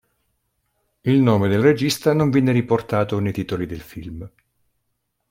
Il nome del regista non viene riportato nei titoli del film.